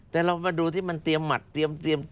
แต่เรามาดูที่มันเตรียมหมัดเตรียม